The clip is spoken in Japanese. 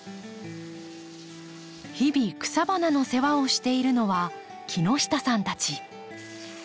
日々草花の世話をしているのは木下さんたち。